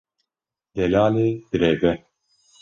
Delalê direve.